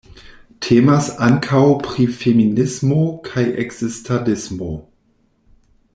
Temas ankaŭ pri feminismo kaj ekzistadismo.